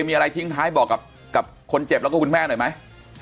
มีอะไรทิ้งท้ายบอกกับคนเจ็บแล้วก็คุณแม่หน่อยไหม